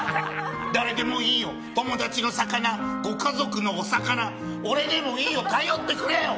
誰でもいいよ、友達の魚ご家族のお魚俺でもいいよ、頼ってくれよ！